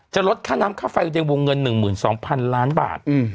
ลดค่าน้ำค่าไฟในวงเงิน๑๒๐๐๐ล้านบาท